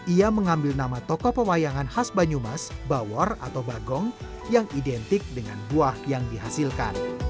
ia mengambil nama tokoh pemayangan khas banyumas bawor atau bagong yang identik dengan buah yang dihasilkan